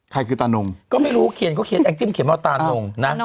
ใครคือตานงก็ไม่รู้เขียนแอ็กซ์จิ้มเขียนมาว่าตานงนะ